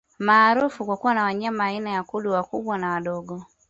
Maarufu kwa kuwa na wanyama aina ya Kudu wakubwa na wadogo